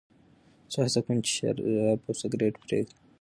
زه هڅه کوم چې شراب او سګرېټ پرېږدم.